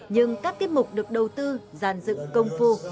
nhưng các tiết mục được đầu tư giàn dựng công phu